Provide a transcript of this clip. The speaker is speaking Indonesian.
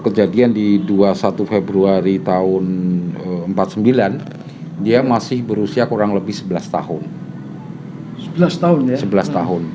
kejadian di dua puluh satu februari tahun seribu sembilan ratus empat puluh sembilan dia masih berusia kurang lebih sebelas tahun sebelas tahun sebelas tahun